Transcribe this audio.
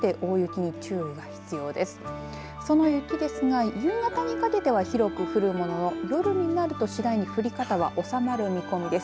その雪ですが夕方にかけては広く降るものの夜になると次第に降り方は収まる見込みです。